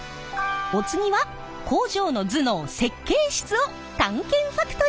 お次は工場の頭脳設計室を探検ファクトリー。